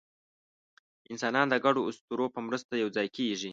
انسانان د ګډو اسطورو په مرسته یوځای کېږي.